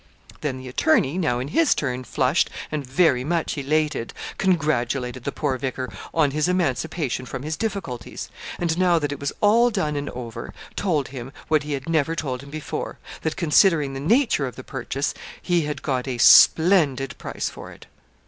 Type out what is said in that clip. Then the attorney, now in his turn flushed and very much elated, congratulated the poor vicar on his emancipation from his difficulties; and 'now that it was all done and over, told him, what he had never told him before, that, considering the nature of the purchase, he had got a splendid price for it.'